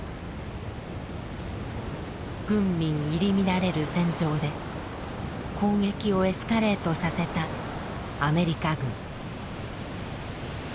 軍民入り乱れる戦場で攻撃をエスカレートさせたアメリカ軍。